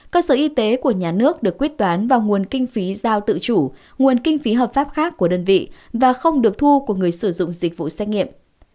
cơ sở y tế của nhà nước được quyết toán vào nguồn kinh phí giao tự chủ nguồn kinh phí hợp pháp khác của đơn vị và không được thu của người sử dụng dịch vụ xét nghiệm